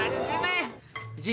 gak ada jarak disini